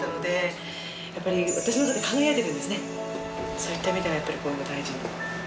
そういった意味ではやっぱりこれは大事に。